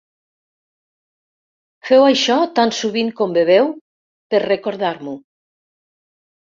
Feu això tan sovint com beveu, per recordar-m'ho.